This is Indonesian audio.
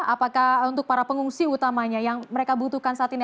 apakah untuk para pengungsi utamanya yang mereka butuhkan saat ini